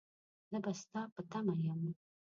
زه به ستا په تمه يم.